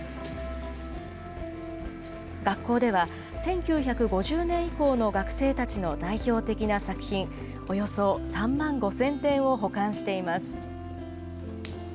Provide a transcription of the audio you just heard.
学校では１９５０年以降の学生たちの代表的な作品およそ３万５０００点を保管しています。